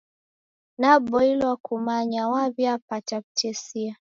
Naboilwa kumanya waw'iapata w'utesia.